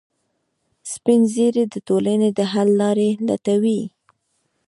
سپین ږیری د ټولنې د حل لارې لټوي